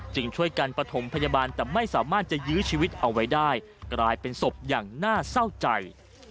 ช่วยกันประถมพยาบาลแต่ไม่สามารถจะยื้อชีวิตเอาไว้ได้กลายเป็นศพอย่างน่าเศร้าใจ